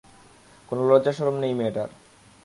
কোনো লজ্জাশরম নেই মেয়েটার।